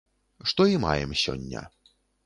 Што і маем сёння.